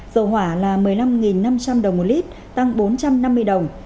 dầu hỏa là một mươi năm năm trăm linh đồng một lít tăng bốn trăm năm mươi đồng